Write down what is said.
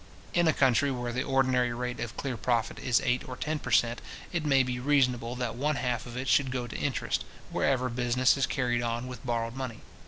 In a country where the ordinary rate of clear profit is eight or ten per cent. it may be reasonable that one half of it should go to interest, wherever business is carried on with borrowed money.